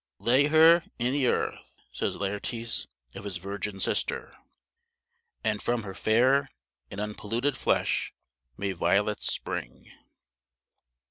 "Lay her i' the earth," says Laertes, of his virgin sister, And from her fair and unpolluted flesh May violets spring.